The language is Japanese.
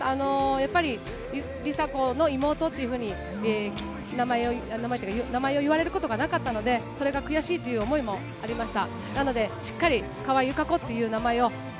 やっぱり梨紗子の妹っていうふうに名前を言われることがなかったので、それが悔しいという思いもありました。